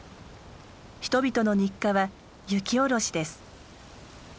人々の日課は雪下ろしです。